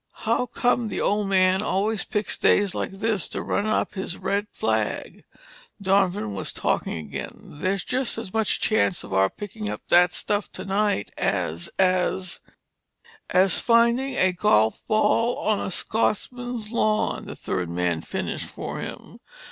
"How come the old man always picks days like this to run up his red flag?" Donovan was talking again. "There's just as much chance of our picking up that stuff tonight as—as—" "As finding a golf ball on a Scotchman's lawn," the third man finished for him.